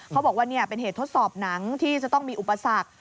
เขาบอกว่าเป็นเหตุทดสอบหนังที่จะต้องมีอุปสรรค